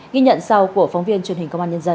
ghi nhận sau của phóng viên truyền hình công an nhân dân